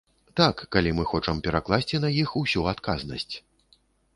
Так, калі мы хочам перакласці на іх усю адказнасць.